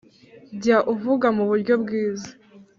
jya uvuga mu buryo bwiza